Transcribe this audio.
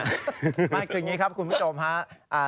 ไม่คืออย่างนี้ครับคุณผู้ชมฮะ